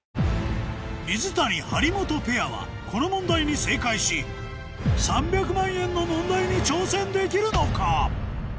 水谷・張本ペアはこの問題に正解し３００万円の問題に挑戦できるのか？